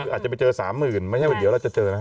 คืออาจจะไปเจอ๓๐๐๐ไม่ใช่ว่าเดี๋ยวเราจะเจอนะ